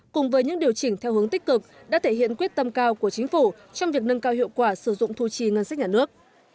cùng với những điều chỉnh theo hướng tích cực đã thể hiện quyết tâm cao của chính phủ trong việc nâng cao hiệu quả sử dụng thu chi ngân sách nhà nước